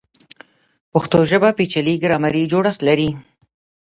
پښتو ژبه پیچلی ګرامري جوړښت لري.